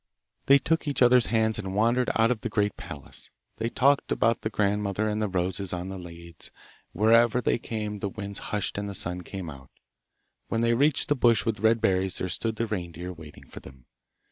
They took each other's hands and wandered out of the great palace; they talked about the grandmother and the roses on the leads, wherever they came the winds hushed and the sun came out. When they reached the bush with red berries there stood the reindeer waiting for them.